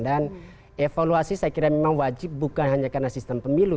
dan evaluasi saya kira memang wajib bukan hanya karena sistem pemilu